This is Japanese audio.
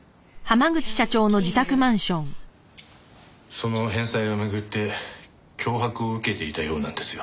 その返済を巡って脅迫を受けていたようなんですよ。